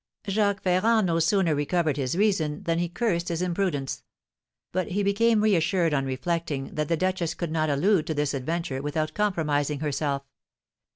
Jacques Ferrand no sooner recovered his reason than he cursed his imprudence; but he became reassured on reflecting that the duchess could not allude to this adventure without compromising herself.